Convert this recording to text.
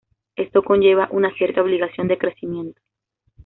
Esto conlleva una cierta obligación de crecimiento.